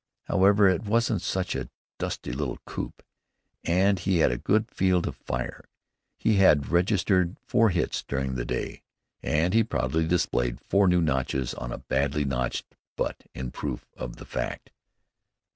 However, it wasn't such a "dusty little coop," and he had a good field of fire. He had registered four hits during the day, and he proudly displayed four new notches on a badly notched butt in proof of the fact.